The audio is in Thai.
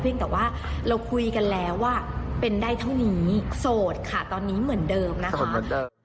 เพียงแต่ว่าเราคุยกันแล้วว่าเป็นได้เท่านี้โสดค่ะตอนนี้เหมือนเดิมนะคะ